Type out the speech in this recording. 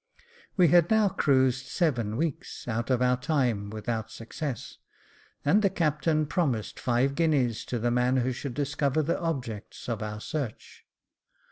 We had now cruised seven weeks out of our time without success, and the captain promised five guineas to the man who should discover the objects of our search.